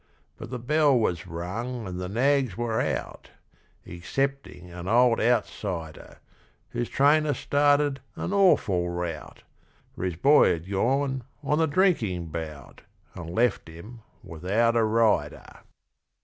But the bell was rung and the nags were out, Excepting an old outsider Whose trainer started an awful rout, For his boy had gone on a drinking bout And left him without a rider.